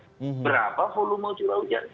berapa volume curah hujan